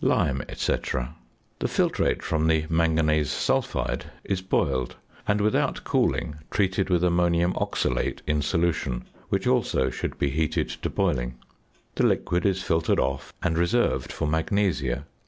~Lime, &c.~ The filtrate from the manganese sulphide is boiled, and without cooling, treated with ammonium oxalate in solution, which also should be heated to boiling. The liquid is filtered off and reserved for magnesia.